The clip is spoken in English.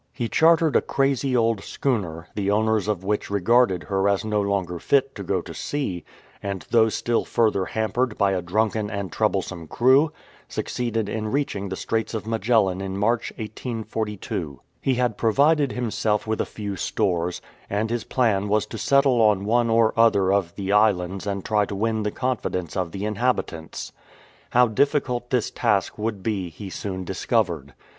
He chartered a crazy old schooner, the owners of which regarded her as no longer fit to go to sea, and though still further hampered by a drunken and troublesome crew, succeeded in reaching the Straits of Magellan in March, 1842. He had provided himself with a few stores, and his plan was to settle on one or other of the islands and try to win the confidence of the inhabitants. How difficult this task would be he soon discovered.